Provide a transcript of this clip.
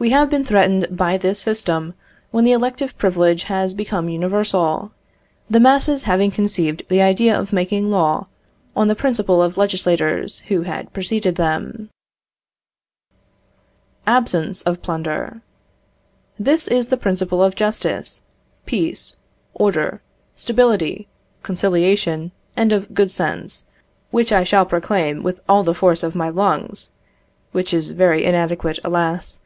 We have been threatened by this system when the elective privilege has become universal; the masses having conceived the idea of making law, on the principle of legislators who had preceded them. Absence of plunder. This is the principle of justice, peace, order, stability, conciliation, and of good sense, which I shall proclaim with all the force of my lungs (which is very inadequate, alas!)